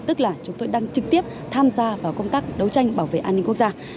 tức là chúng tôi đang trực tiếp tham gia vào công tác đấu tranh bảo vệ an ninh quốc gia